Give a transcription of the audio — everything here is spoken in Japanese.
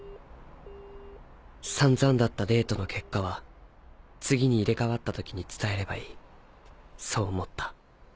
散々だったデートの結果は次に入れ替わった時に伝えればいいそう思った。